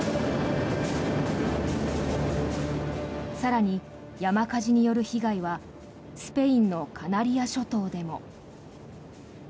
更に、山火事による被害はスペインのカナリア諸島でも。